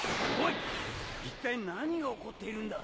いったい何が起こっているんだ！？